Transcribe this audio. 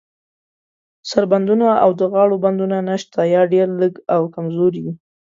سر بندونه او د غاړو بندونه نشته، یا ډیر لږ او کمزوري دي.